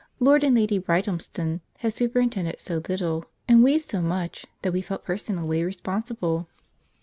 Lord and Lady Brighthelmston had superintended so little, and we so much, that we felt personally responsible.